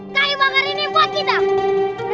kau ibang hari ini buat kita